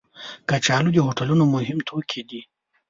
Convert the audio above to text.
کچالو د هوټلونو مهم توکي دي